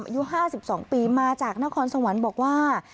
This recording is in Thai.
อายุ๕๒ปีมาจากนครสวรรค์บอกว่า